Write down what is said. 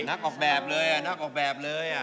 นักออกแบบเลยนักออกแบบเลย